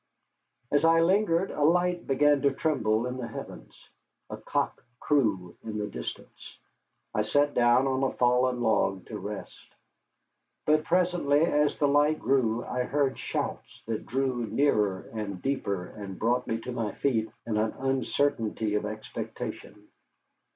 As I lingered a light began to tremble in the heavens. A cock crew in the distance. I sat down on a fallen log to rest. But presently, as the light grew, I heard shouts which drew nearer and deeper and brought me to my feet in an uncertainty of expectation.